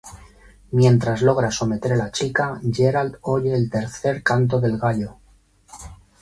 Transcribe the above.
Mientras logra someter a la chica, Geralt oye el tercer canto del gallo.